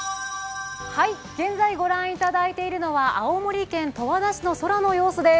現在御覧いただいているのは青森県十和田市の空の様子です。